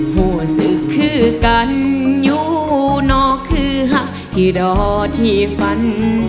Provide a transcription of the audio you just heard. หัวศึกคือกันอยู่นอกคือหักที่ดอที่ฝัน